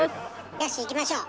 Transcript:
やっしーいきましょう。